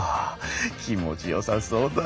気持ちよさそうだ。